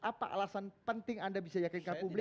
apa alasan penting anda bisa yakin ke publik